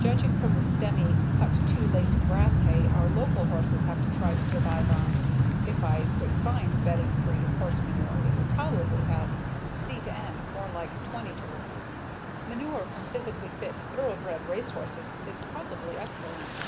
Judging from the stemmy, cut too late grass hay our local horses have to try to survive on, if I could find bedding free horse manure it would probably have a C/N more like 20:1. Manure from physically fit thoroughbred race horses is probably excellent.